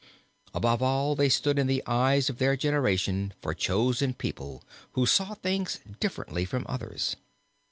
Above all they stood in the eyes of their generation for chosen people who saw things differently from others.